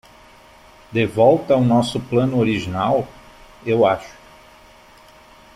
De volta ao nosso plano original? eu acho.